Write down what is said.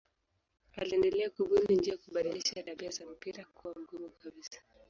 Aliendelea kubuni njia ya kubadilisha tabia za mpira kuwa mgumu kabisa.